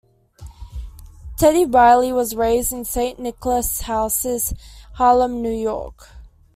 Teddy Riley was raised in Saint Nicholas Houses, Harlem, New York.